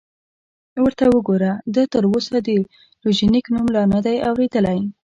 ورته وګوره، ده تراوسه د لوژینګ نوم لا نه دی اورېدلی!